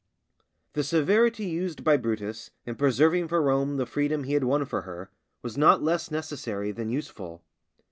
_ The severity used by Brutus in preserving for Rome the freedom he had won for her, was not less necessary than useful.